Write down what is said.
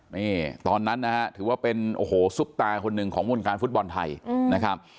นี่ตอนนั้นนะฮะถือว่าเป็นโอ้โหซุปตาคนหนึ่งของวงการฟุตบอลไทยนะครับ